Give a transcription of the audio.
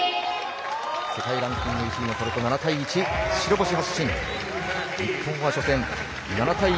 世界ランキング１位のトルコ７対１。